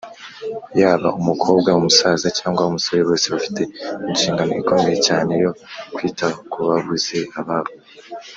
yaba umukobwa , umusaza cyangwa umusore bose bafite inshingano ikomeye cyane yo kwita kubabuze ababo